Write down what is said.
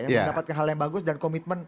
mendapatkan hal yang bagus dan komitmen